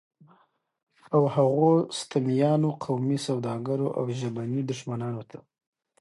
او هغو ستمیانو، قومي سوداګرو او ژبني دښمنانو ته